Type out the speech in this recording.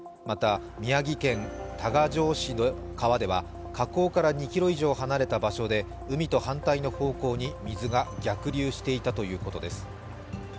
また、宮城県多賀城市の川では河口から２ｋｍ以上離れた場所で海と反対の方向に水が逆流していたということです。